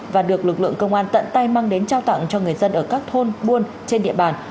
và được lực lượng công an tận tay mang đến trao tặng cho người dân ở các thôn buôn trên địa bàn